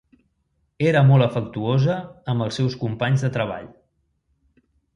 Era molt afectuosa amb els seus companys de treball.